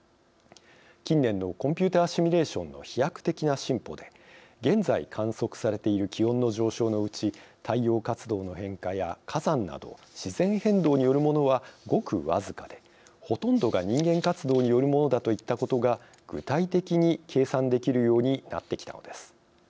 近年のコンピューターシミュレーションの飛躍的な進歩で現在、観測されている気温の上昇のうち太陽活動の変化や火山など自然変動によるものはごく僅かでほとんどが人間活動によるものだといったことが、具体的に計算できるようになってきたのです。